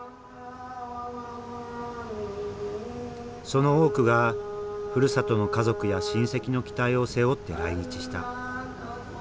その多くがふるさとの家族や親戚の期待を背負って来日した。